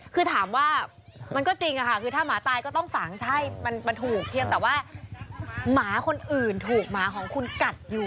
คำนี้แหละ